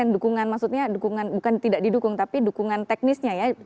dukungan maksudnya dukungan bukan tidak didukung tapi dukungan teknisnya ya